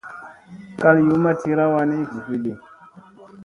Kal yumma tira wa ni ka jivi ɗi.